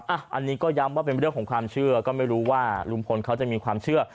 อันนี้ก็ย้ำว่าเป็นเรื่องของความเชื่อก็ไม่รู้ว่าลุงพลเขาจะมีความเชื่อ